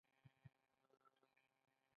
کافې ګانې په تهران کې ډیرې دي.